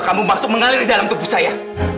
kamu masuk mengalir di dalam tubuh saya